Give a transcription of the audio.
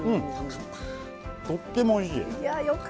とってもおいしい！